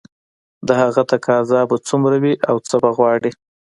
د هغه تقاضا به څومره وي او څه به غواړي